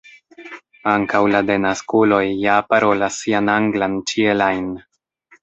ankaŭ la denaskuloj ja parolas sian anglan ĉiel ajn.